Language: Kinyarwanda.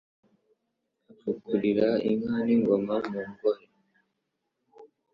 Afukurira inka n'ingoma mu ngohe